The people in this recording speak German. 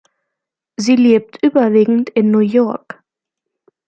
Sie lebt überwiegend in New York.